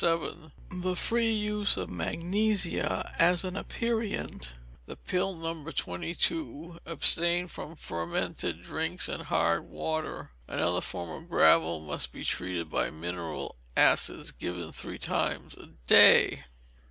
7, the free use of magnesia as an aperient. The pill No. 22. Abstain from fermented drinks and hard water. Another form of gravel must be treated by mineral acids, given three times a day.